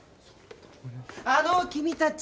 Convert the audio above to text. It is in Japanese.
あのう君たち！